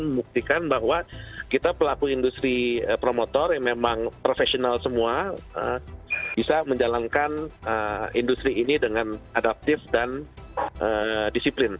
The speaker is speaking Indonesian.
membuktikan bahwa kita pelaku industri promotor yang memang profesional semua bisa menjalankan industri ini dengan adaptif dan disiplin